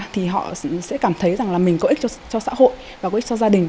thì họ sẽ cảm thấy rằng là mình có ích cho xã hội và có ích cho gia đình